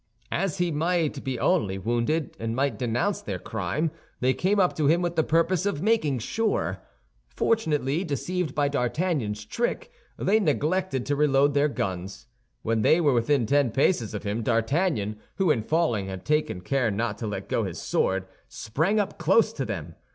As he might be only wounded and might denounce their crime, they came up to him with the purpose of making sure. Fortunately, deceived by D'Artagnan's trick, they neglected to reload their guns. When they were within ten paces of him, D'Artagnan, who in falling had taken care not to let go his sword, sprang up close to them.